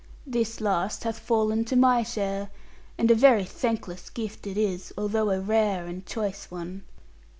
This last hath fallen to my share, and a very thankless gift it is, although a rare and choice one.